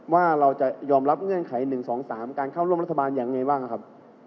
ว่าเราจะยอมรับเงื่อนไข๑๒๓การเข้าร่วมรัฐบาลอย่างไรบ้างครับ